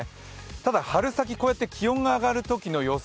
ただ春先、こうやって気温が上がるときの予想